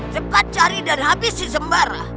cepat cari dan habisi sembara